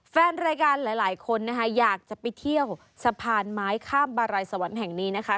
แฟนรายการหลายคนนะคะอยากจะไปเที่ยวสะพานไม้ข้ามบารัยสวรรค์แห่งนี้นะคะ